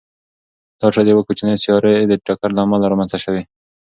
دا ټوټه د یوې کوچنۍ سیارې د ټکر له امله رامنځته شوې.